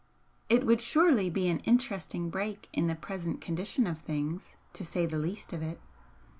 It would surely be an interesting break in the present condition of things, to say the least of it.